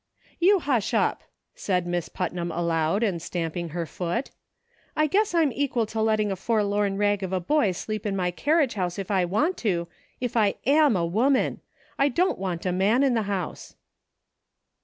"You hush up!" said Miss Putnam aloud, and stamping her foot, " I guess I'm equal to letting a forlorn rag of a boy sleep in my carriage house I06 GROWING "NECESSARY." if I want to, if I am a woman. I don't want a man in the house."